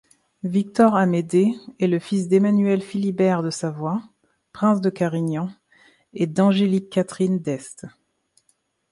Victor-Amédée est le fils d'Emmanuel-Philibert de Savoie, prince de Carignan, et d'Angélique Catherine d'Este.